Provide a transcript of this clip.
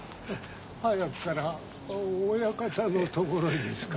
早くから親方のところですか？